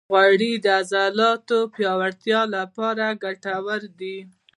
غوړې د عضلاتو پیاوړتیا لپاره ګټورې دي.